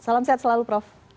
salam sehat selalu prof